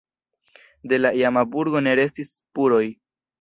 De la iama burgo ne restis spuroj.